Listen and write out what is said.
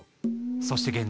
そして現代。